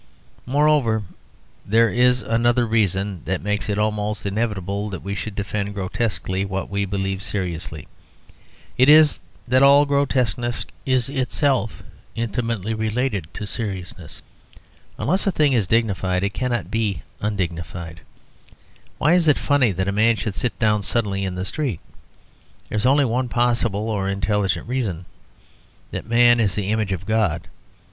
Moreover, there is another reason that makes it almost inevitable that we should defend grotesquely what we believe seriously. It is that all grotesqueness is itself intimately related to seriousness. Unless a thing is dignified, it cannot be undignified. Why is it funny that a man should sit down suddenly in the street? There is only one possible or intelligent reason: that man is the image of God.